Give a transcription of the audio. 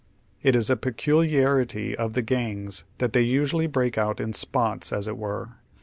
It is a peculiarity of the gangs that they usually bi'eak out in spots, as it were.